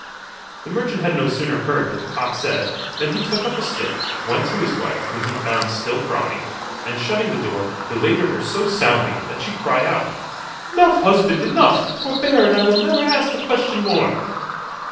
The merchant had no sooner heard what the cock said, than he took up a stick, went to his wife, whom he found still crying, and shutting the door, belaboured her so soundly, that she cried out, "Enough, husband, enough, forbear, and I will never ask the question more."